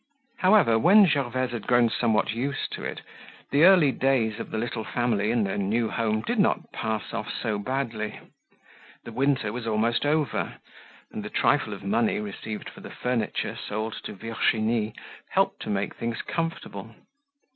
However, when Gervaise had grown somewhat used to it, the early days of the little family in their new home did not pass off so badly. The winter was almost over, and the trifle of money received for the furniture sold to Virginie helped to make things comfortable.